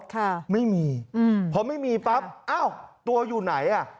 ค่ะไม่มีอืมพอไม่มีปั๊บอ้าวตัวอยู่ไหนอ่ะ